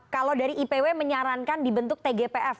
kalau dari ipw menyarankan dibentuk tgpf